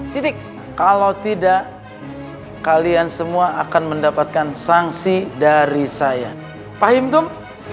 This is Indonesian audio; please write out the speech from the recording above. titik kalau tidak kalian semua akan mendapatkan sanksi dari saya pak him tum